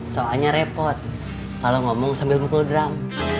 soalnya repot kalau ngomong sambil mukul drum